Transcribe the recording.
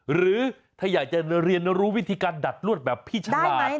หรือถ้าอยากจะเรียนรู้วิธีการดัดลวดแบบพี่ฉลาด